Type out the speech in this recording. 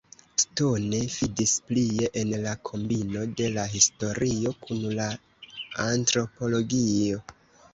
Stone fidis plie en la kombino de la historio kun la antropologio.